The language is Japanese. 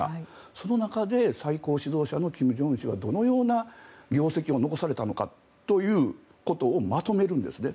その中で最高指導者の金正恩氏はどのような業績を残されたのかということをまとめるんですね。